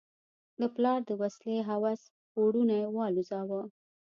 د پلار د وسلې هوس پوړونی والوزاوه.